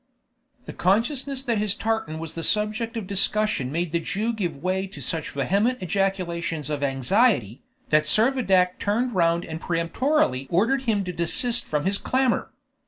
The consciousness that his tartan was the subject of discussion made the Jew give way to such vehement ejaculations of anxiety, that Servadac turned round and peremptorily ordered him to desist from his clamor.